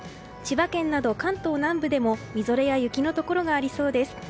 千葉県など関東南部でもみぞれや雪のところがありそうです。